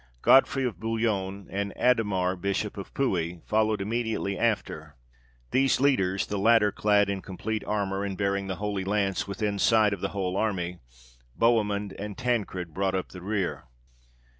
Godfrey of Bouillon and Adhemar Bishop of Puy, followed immediately after these leaders, the latter clad in complete armour, and bearing the Holy Lance within sight of the whole army: Bohemund and Tancred brought up the rear.